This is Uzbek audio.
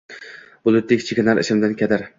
Bulutdek chekinar ichimdan kadar